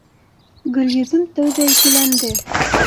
Гөлйөҙөм тәүҙә икеләнде: